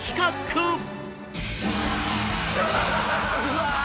うわ！